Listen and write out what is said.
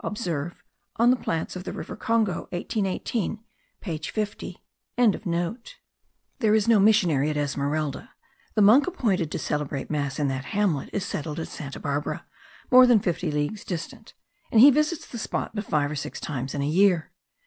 Observ. on the Plants of the River Congo 1818 page 50.) There is no missionary at Esmeralda; the monk appointed to celebrate mass in that hamlet is settled at Santa Barbara, more than fifty leagues distant; and he visits this spot but five or six times in a year.